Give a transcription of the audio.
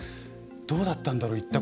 どうだったんだろう？